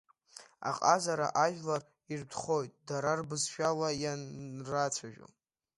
Аҟазара ажәлар иртәхоит дара рбызшәала ианрацәажәо.